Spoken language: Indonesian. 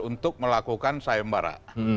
untuk melakukan sayembara